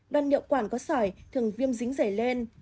đoạn niệu quản có sỏi thường viêm dính rể lên